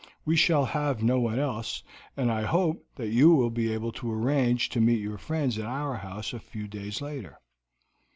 We shall have no one else, and I hope that you will be able to arrange to meet your friends at our house a few days later."